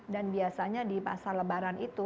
dan biasanya di masa lebaran itu